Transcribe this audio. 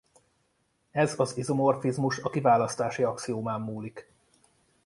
Ez az izomorfizmus a kiválasztási axiómán múlik.